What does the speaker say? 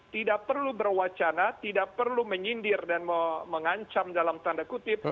tidak perlu berwacana tidak perlu menyindir dan mengancam dalam tanda kutip